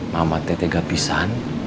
mama teh tegapisan